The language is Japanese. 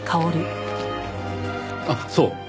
ああそう。